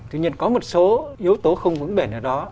tuy nhiên có một số yếu tố không vững bền ở đó